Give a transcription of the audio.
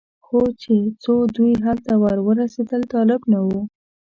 خو چې څو دوی هلته ور ورسېدل طالب نه و.